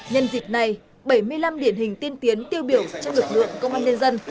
nhân dịp này bảy mươi năm điển hình tiên tiến tiêu biểu trong lực lượng công an nhân dân